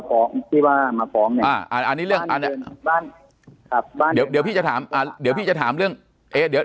เขาผิดอะไรเรื่องบ้านนะครับก็ที่ว่ามาฟ้องเนี่ย